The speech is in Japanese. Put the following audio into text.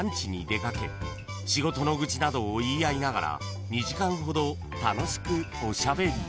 ［仕事の愚痴などを言い合いながら２時間ほど楽しくおしゃべり］